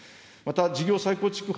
また、事業再構築